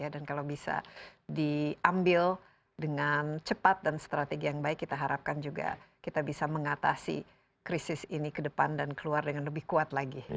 dan kalau bisa diambil dengan cepat dan strategi yang baik kita harapkan juga kita bisa mengatasi krisis ini ke depan dan keluar dengan lebih kuat lagi